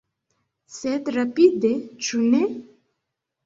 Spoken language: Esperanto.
Sed rapide, ĉu ne?